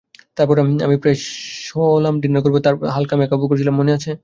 তারপর আমি ফ্রেশ হলাম ডিনার করব বলে, হালকা মেকআপও করেছিলাম, মনে আছে?